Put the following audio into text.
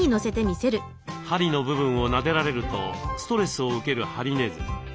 針の部分をなでられるとストレスを受けるハリネズミ。